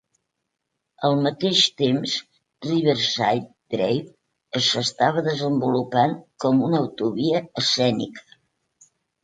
Al mateix temps, Riverside Drive s'estava desenvolupant com a una autovia escènica.